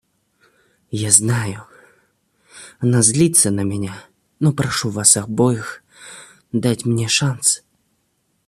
Я знаю, она злится на меня, но прошу вас обоих дать мне шанс.